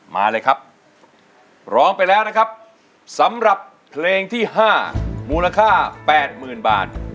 มาเลยครับร้องไปแล้วนะครับสำหรับเพลงที่๕มูลค่า๘๐๐๐บาท